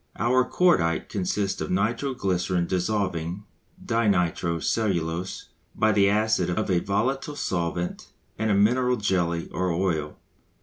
Our cordite consists of nitro glycerine dissolving di nitro cellulose by the acid of a volatile solvent and a mineral jelly or oil.